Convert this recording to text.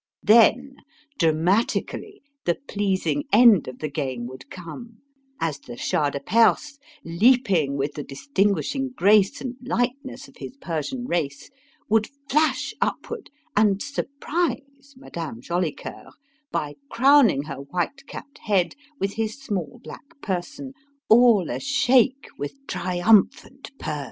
Then, dramatically, the pleasing end of the game would come: as the Shah de Perse leaping with the distinguishing grace and lightness of his Persian race would flash upward and "surprise" Madame Jolicoeur by crowning her white capped head with his small black person, all a shake with triumphant purrs!